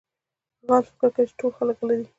غل فکر کوي چې ټول خلک غله دي.